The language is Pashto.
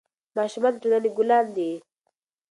ماشومان د ټولنې ګلان دي.